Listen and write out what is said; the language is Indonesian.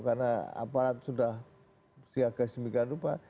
karena aparat sudah siaga sedemikian rupa